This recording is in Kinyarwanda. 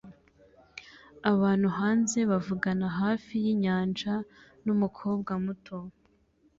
Abantu hanze bavugana hafi yinyanja numukobwa muto